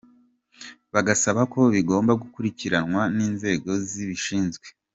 Bagasaba ko bigomba gukurikiranwa n’inzego zibishinzwe.